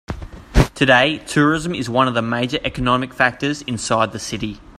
Today, tourism is one of the major economic factors inside the city.